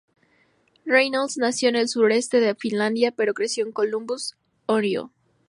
Reynolds nació en el Suroeste de Filadelfia pero creció en Columbus, Ohio.